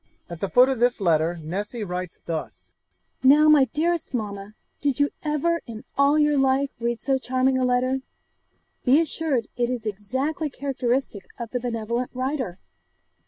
At the foot of this letter Nessy writes thus: 'Now, my dearest mamma, did you ever in all your life read so charming a letter? Be assured it is exactly characteristic of the benevolent writer.